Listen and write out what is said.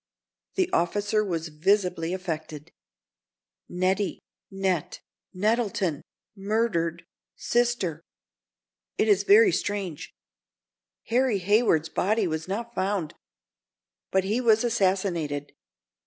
The officer was visibly affected. "'Nettie.' 'Net—.' 'Nettleton!' 'Murdered.' 'Sister.' It is very strange. Harry Hayward's body was not found, but he was assassinated.